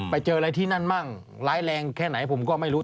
ไปเจออะไรที่นั่นมั่งร้ายแรงแค่ไหนผมก็ไม่รู้